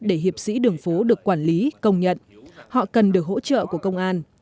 để hiệp sĩ đường phố được quản lý công nhận họ cần được hỗ trợ của công an